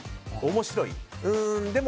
面白い。